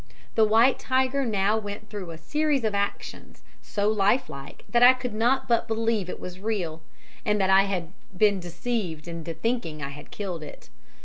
The white tiger now went through a series of actions, so lifelike that I could not but believe it was real, and that I had been deceived in thinking I had killed it.